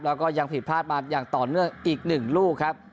แล้วก็ยังผิดพลาดมาอย่างต่อเนื่องอีก๑ลูกครับ